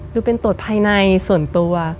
ดูเป็นตรวจภายในส่วนตัว